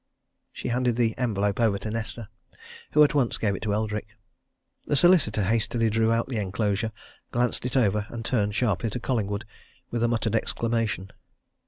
She handed the envelope over to Nesta, who at once gave it to Eldrick. The solicitor hastily drew out the enclosure, glanced it over, and turned sharply to Collingwood with a muttered exclamation.